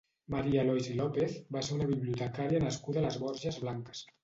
Maria Lois i López va ser una bibliotecària nascuda a les Borges Blanques.